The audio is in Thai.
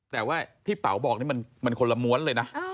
แต่ว่าที่เป๋าบอกนี่มันคนละม้วนเลยนะ